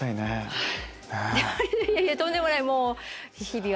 はい。